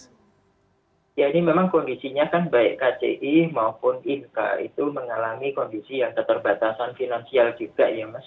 ya ini memang kondisinya kan baik kci maupun inka itu mengalami kondisi yang keterbatasan finansial juga ya mas